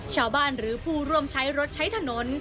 หรือผู้ร่วมใช้รถใช้ถนน